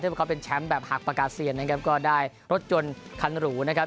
ซึ่งพวกเขาเป็นแชมป์แบบหักปากกาเซียนนะครับก็ได้รถยนต์คันหรูนะครับ